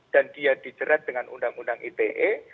dan dia dijerat dengan undang undang ite